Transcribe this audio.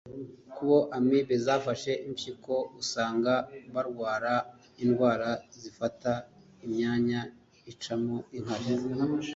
Kubo Amibe zafashe impyiko, usanga barwara indwara zifata imyanya icamo inkari